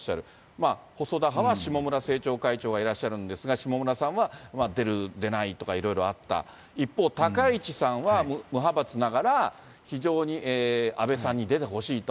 まあ細田派は下村政調会長がいらっしゃるんですが、下村さんは出る、出ないとかいろいろあった、一方、高市さんは無派閥ながら、非常に安倍さんに出てほしいと。